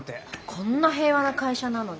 こんな平和な会社なのに。